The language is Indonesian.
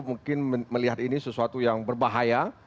mungkin melihat ini sesuatu yang berbahaya